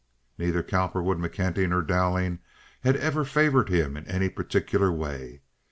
Neither Cowperwood, McKenty, nor Dowling had ever favored him in any particular way.